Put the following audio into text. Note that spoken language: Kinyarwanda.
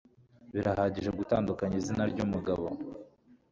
Birahagije gutandukanya izina ry umugabo